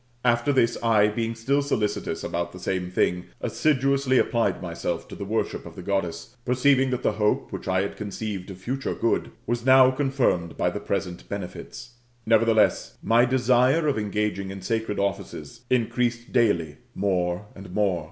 After this, I, being still solicitous about the same thing, assiduously applied myself to the worship of the Goddess, perceiving that the hope which I had conceived of future good was now confirmed by the present benefits. Nevertheless, my desire of engaging in sacred offices increased daily more and more.